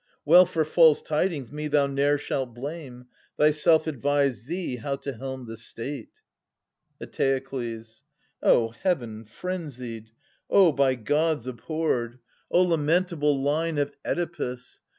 — 650 Well, for false tidings me thou ne'er shalt blame ;. Thyself advise thee how to helm the state. Eteokles. Oh heaven frenzied — oh by Gods abhorred !— 30 ^SCHYLUS. Oh lamentable line of Oedipus